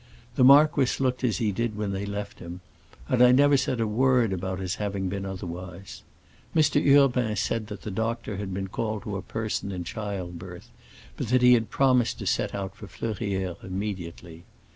The marquis looked as he did when they left him, and I never said a word about his having been otherwise. Mr. Urbain said that the doctor had been called to a person in childbirth, but that he promised to set out for Fleurières immediately.